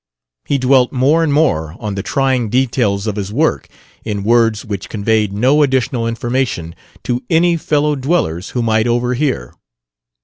He dwelt more and more on the trying details of his work in words which conveyed no additional information to any fellow dwellers who might overhear.